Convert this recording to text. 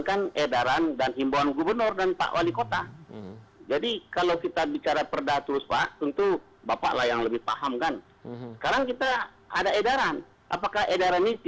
ketika bulan puasa mereka berjualan mereka langsung ditindak begitu